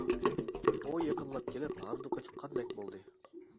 ئۇ يېقىنلاپ كېلىپ ھاردۇقى چىققاندەك بولدى.